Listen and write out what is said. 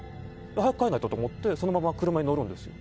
早く帰んないとと思ってそのまま、車に乗るんです。